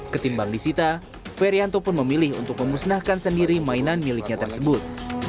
ketimbang disita ferianto pun memilih untuk memusnahkan sendiri mainan miliknya tersebut